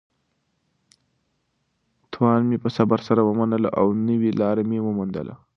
تاوان مې په صبر سره ومنلو او نوې لاره مې وموندله.